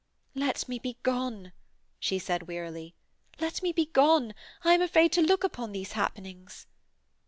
'Let me begone,' she said wearily. 'Let me begone. I am afraid to look upon these happenings.'